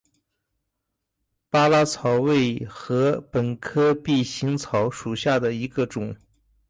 巴拉草为禾本科臂形草属下的一个种。